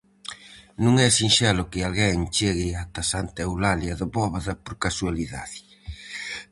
Non é sinxelo que alguén chegue ata Santa Eulalia de Bóveda por casualidade.